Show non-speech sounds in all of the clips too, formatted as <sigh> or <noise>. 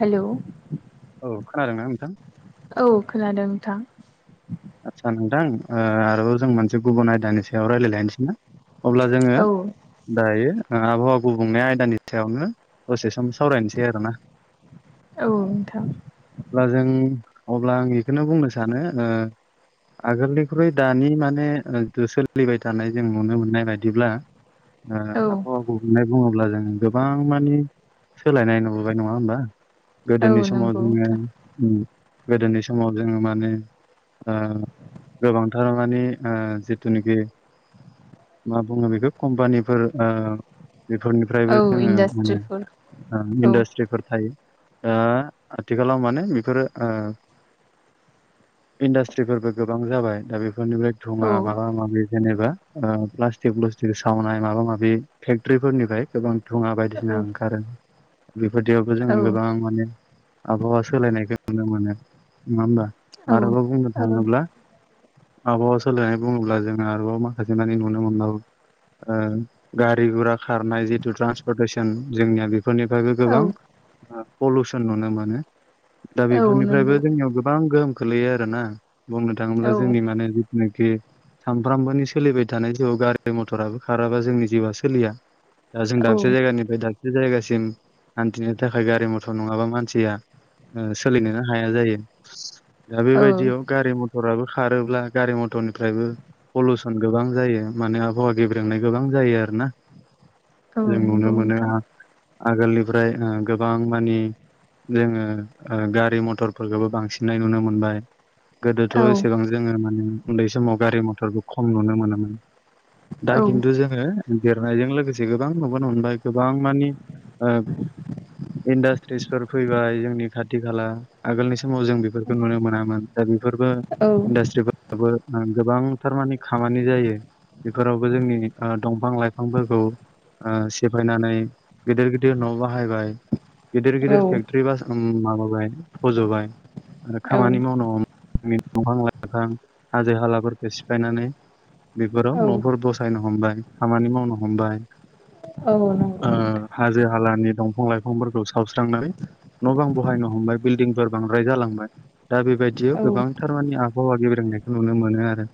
हेल'? औ खोनादोंना नोंथां? औ खोनादों नोंथां। थां ओ आरोबाव जों मोनसे गुबुन आयदानि सायाव रायलाय लायनोसै ना? अब्ला जोङो औ दायो आबहावा गुबुंनाय आयदानि सायावनो दसे सम सावरायनोसै आरोना। औ नोंथां। अब्ला जों अब्ला आं इखोनो बुंनो सानो ओ आगोलनिख्रुइ दानि माने सोलिबाय थानाय जों नुनो मोननाय बायदिब्ला ओ औ आबहावा गुबुंनाय बुङोब्ला जों गोबां मानि सोलायनाय नुबोबाय नङा होमबा? औ गोदोनि समाव नंगौ नोंथां जोङो गोदोनि समाव जोङो माने ओ गोबांथार मानि ओ जिथुनिखि मा बुङो बेखौ कम्पानिफोर ओ बेफोरनिफ्रायबो औ जोङो माने इन्डास्ट्रिफोर औ इन्डास्ट्रिफोर थायो। दा आथिखालाव माने बेफोरो ओ इण्डास्ट्रिफोरबो गोबां जाबाय दा बेफोरनिफ्राय औ धुङा माबा माबि जेनेबा ओ प्लास्टिक ब्लुस्टिक सावनाय माबा माबि फेक्ट्रिफोरनिफ्राय गोबां धुङा औ बायदिसिना ओंखारो। बेफोरदियावबो जोङो गोबां माने आबहावा सोलायनायखौ नुनो मोनो। नङा होमबा? औ आरोबाव बुंनो औ थाङोब्ला आबहावा सोलायनाय बुङोब्ला जोङो आरोबाव माखासे मानि नुनो मोनबावो ओ गारि गुरा खारनाय जिथु ट्रान्सपर्टेसन जोंनिया बे फोरनिफ्रायबो औ गोबां ओ पलुसन नुनो मोनो। दा औ बेफोरनिफ्रायबो नंगौ जोंनियाव गोबां गोहोम खोलैयो आरोना। बुंनो थाङोब्ला औ जोंनि माने जिथुनाखि सानफ्रामबोनि सोलिबाय थानाय जिउआव गारि मथराबो खाराबा जोंनि जिउआ सोलिया दा जों औ दाबसे जायगानिफ्राय दाब से जायगासिम हान्थिनो थाखाय गारि मथर नङाबा मानसिया ओ सोलिनोनो हाया जायो। दा औ बेबायदियाव गारि मथराबो खारोब्ला गारि मथरनिफ्रायबो पलुस न गोबां जायो माने आबहावा गेब्रेंनाय गोबां जायो आरो ना। जों नुनो नंगौ मोनो नोंथां आ-आगोलनिफ्राय ओ गोबां मानि जोङो ओ गारि मथरफोरखोबो बांसिननाय नुनो मोनबाय। गोदोथ' औ औ एसेबां जोङो माने उन्दै समाव गारि मथरबो खम नुनो मोनोमोन। दा औ खिन्थु जोङो देरनायजों लोगोसे गोबां नुबोनो मोनबाय गोबां मानि ओ इन्डास्ट्रिसफोर फैबाय जोंनि खाथि खाला आगोलनि समाव जों बेफोरखौ नुनो मोनामोन दा बे फोरबो बो औ औ इन्डास्ट्रिफोराब गोबांथार मानि खामानि जायो बेफोरावबो जोंनिनि ओ दंफां लाइफांफोरखौ ओ सेफायनानै गिदिर गिदिर न'आव बाहायबाय गिदिर नंगौ गिदिर फेक्ट्रि ओम माबाबाय फज'बाय आरो खामानि मावनो हम नि दंफां लाइफां हाजो हालाफोरखौ सिफायनानै बेफोराव औ न'फोर बसायनो हमबाय खामानि मावनो हमबाय औ ओ नंगौ नोंथां। हाजो हालानि दंफां लाइफांफोरखौ सावस्रांनानै न' बां बहायनो हमबाय बिल्डिंफोर बांद्राय जालांबाय दा बेबायदियाव गोबांथारमानि आबहावा गेब्रेंनायखौ नुनो मोनो आरो।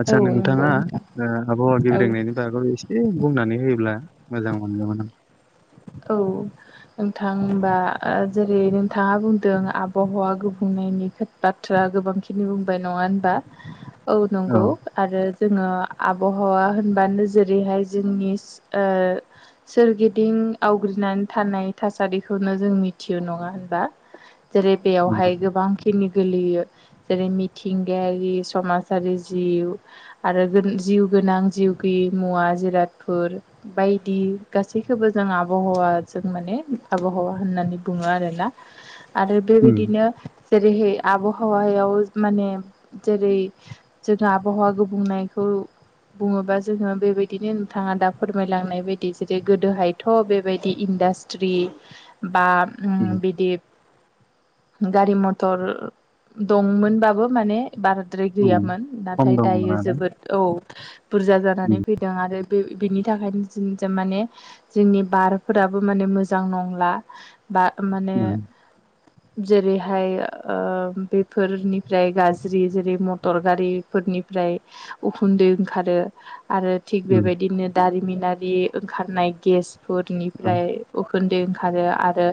आदसा नोंथाङा नोंथां ओ आबहावा औ गेब्रेंनायनि बागाव एसे बुंनानै होयोब्ला मोजां मोनगौमोन आं। औ नोंथांबा ओ जेरै नोंथाङा बुंदों आबहावा गुबुंनायनि बाथ्रा गोबांखिनि बुंबाय नङा होनबा औ औ नंगौ आरो जोङो आबहावा होनबानो जेरैहाय जोंनि ओ सोरगिदिं आवग्रिनानै थानाय थासारिखौनो जों मिथियो नङा होनबा जेरै नंगौ बेयावहाय गोबां खिनि गोलैयो जेरै मिथिंगायारि समाजारि जिउ आरो गोन जिउ गोनां जिउ गैय मुवा जिरादफोर बायदि गासैखौबो जों आबहावा बा जों माने आबहावा होननानै बुङो आरोना आरो उम बेबायदिनो जेरैहाय आबहावायाव माने जेरै जोङो आबहावा गुबुंनायखौ बुङोबा जोङो बेबायदिनो नोंथाङा दा फोरमायलांनाय बायदि जेरै गोदोहायथ' बेबायदि इन्डास जुदि बा उम बिदि गारि मथर दंमोनबाबो माने बाराद्राय उम गैयामोन खम नाथाय दंमोन दायो आरो जोबोद औ बुरजा जानानै उम फैदों आरो बे बेनि थाखायनोमाने जोंनि बारफोराबो माने मोजां नंला बा माने उम जेरैहाय ओ बेफोरनिफ्राय गाज्रि जेरै मटर गारिफोरनि निफ्राय उखुन्दै ओंखारो आरो थिग उम बेबायदिनो दारिमिनारि ओंखारनाय गेसफोर औ फ्राय उखुन्दै ओं आरो आरो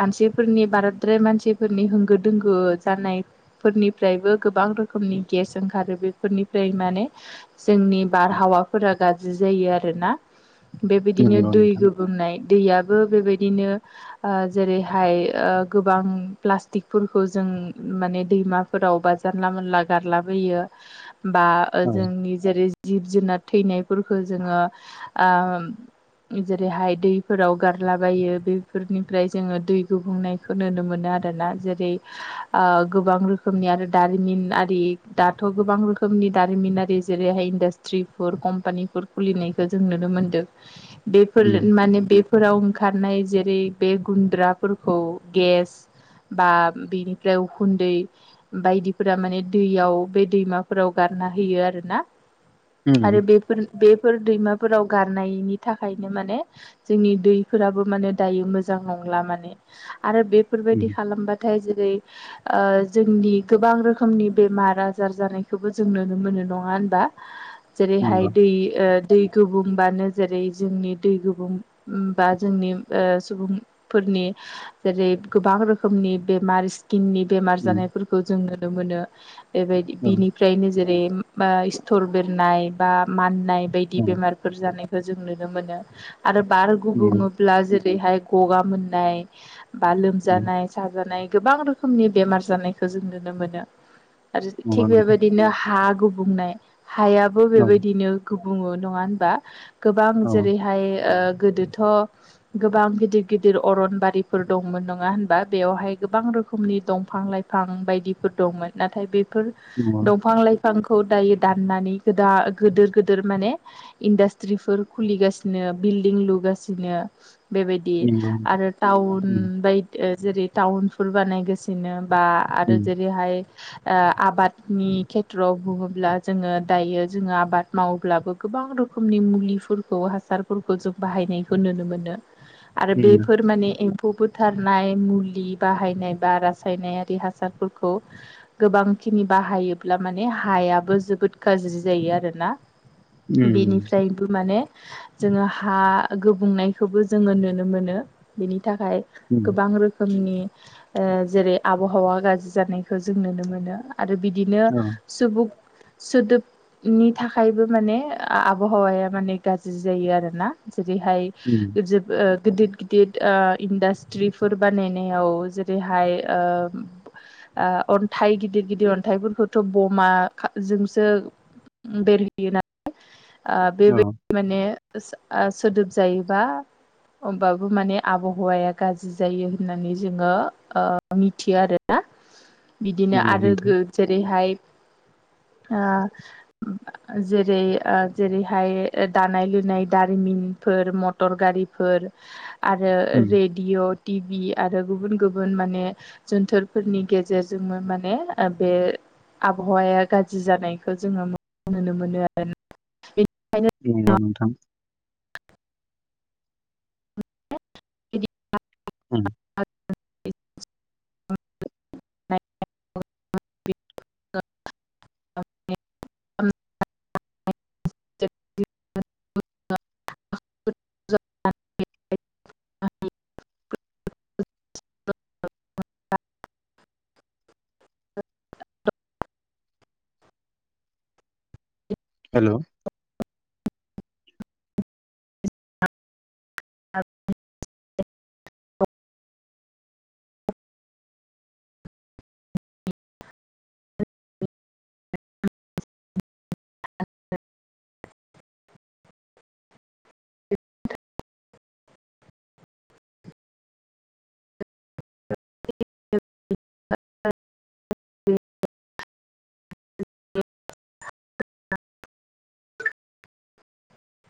मानसिफोरनि बाराद्राय मानसिफोरनि होंगो दोंगो जानायफोरनि निफ्रायबो गोबां रोखोमनि गेस ओंखारो बेफोरनिफ्राय माने जोंनि उम, बारहावाफोरा गाज्रि जायो आरोना बेबायदिनो नंगौ दै नोंथां गोबुंनाय दैयाबो बेबायदिनो ओ जेरैहाय ओ गोबां प्लास्टिकफोरखौ जों माने दैमाफोरावबा जानला-मोनला गारला बायो बा औ जोंनि जेरै जिब-जुनार थैनायफोरखौ जोङो ओ जेरैहाय दै फोराव गारलाबायो बेफोरनिफ्राय जोङो दै गोबुंनायखौ नुनो मोनो आरोना जेरै ओ गोबां रोखोमनि आरो दारिमिन आरि दाथ' गोबां रोखोमनि दारिमिनारि जेरै हाय इन्दासथ्रिफोर, कम्पानिफोर खुलिनायखौ जों नुनो मोनदों। बेफोर उम माने फोराव ओंखारनाय जेरै बे गुन्द्राफोरखौ गेस बा बेनिफ्राय उखुन्दै बायदिफोरा माने दैयाव बे दैमाफोराव गार ना होयो आरो ना उम आरो बेफोर बेफोर दैमाफोराव गारनायनि थाखायनो माने जोंनि दैफोराबो माने दायो मोजां नंला माने आरो बेफोरबायदि उम खालामबा नथाय जेरै ओ जोंनि गोबां रोखोमनि बेमार-आजार जानायखौबो जों नुनो मोनो। नङा होनबा? जेरैहाय नंगौ दै ओ दै गोबुंबानो जेरै जोंनि दै गोबुं बा जोंनि ओ सुबुंफोरनि जेरै गोबां रोखोमनि बेमार स्किननि बेमार उम जानायफोरखौ जों नुनो मोनो बेबायदि औ बिनिफ्रायनो जों बा ओ सिथर बेरनाय बा माननाय बायदि औ बेमारफोर जानाय खौ जों नुनो मोनो आरो बार नंगौ गुबुङोब्ला जेरैहाय गगा मोननाय बा औ लोमजानाय-साजानाय गोबां रोखोमनि बेमार जानायखौ जों नुनो मोनो। आरो नंगौ थिग नोंथां बेबादिनो हा गोबुंनाय हायाबो औ बेबादिनो गो बुङो। नङा होनबा? गोबां औ जेरैहाय ओ गोदोथ' गोबां गिदिर-गिदिर अरनबारिफोर दंमोन। नङा होनबा? बेयावहाय गोबां रो खोमनि दंफां-लाइफां बायदिफोर दंमोन। नाथाय बेफोर नंगौ दफां-लाइ फांखौ दायो दाननानै गोदान गोदोर-गोदोर माने इन्दास्ट्रिफोर खुलिगासिनो बिल दिं लुगासिनो बेबायदि नंगौ नोंथां। आरो टावन उम बाय ओ जेरै टाउनफोर बानायगासिनो बा आरो उम जेरैहाय ओ आबादनि खेथ्रआव बुङोब्ला जोङो दायो जोङो आबाद मावोब्लाबो गोबां रो खोमनि मुलिफोरखौ हासारफोर खौ जों बाहायनायखौ नुनो मोनो आरो नंगौ बेफोर माने ए‌ म्फौ बुथारनाय मुलि बाहायनाय बा रासायनारि हासारफोरखौ गोबां खिनि बाहायोब्ला माने हायाबो जोबोद गाज्रि जायो आरोना उम बेनिफ्रायबो माने जोङो हा गोबुंनायखौबो जोङो नुनो मोनो। बेनि थाखाय उम गोबां रोखोमनि ओ जेरै- आबहावा गाज्रि जानायखौ जों नुनो मोनो। आरो बिदिनो औ सुबुं सोदोबनि थाखायबो माने आबहावाया माने गाज्रि जायो आरोना जेरैहाय उम ओ गिदिर गिदिर ओ इन्दास्ट्रिफोर बानायनायाव जेरैहाय ओ ओ अन्थाइ गिदिर-गिदिर अन्थाइफोरखौथ' बमा जोंसो बेरहैयो नालाय ‌ओ बेबायदि माने आ सोदोब जायोबा होमबाबबो माने आबहावाया गाज्रि जायो होननानै जोङो ओ मिथियो आरो ना <inaudible> बिदिनो औ नंगौ आरो नोंथां गो-जेरैहाय <inaudible> ओ जेरै ओ जेरैहाय दानाय-लु नाय दारिमिनफोर मटर-गारिफोर आरो उम रेडिअ टिभि आरो गुबुन गुबुन माने जोनथोरफोरनि गेजेरजोंनो माने बे आबहावाया गाज्रि जानायखौ जोङो नुनो मोनो आरोना। नंगौ नोंथां बेनिखायनो ओम <inaudible> <inaudible> <inaudible> हेल' <inaudible> <inaudible> <inaudible>